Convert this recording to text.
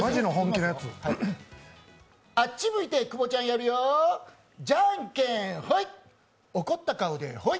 あっち向いて久保ちゃんやるよォォ、じゃんけんホイ！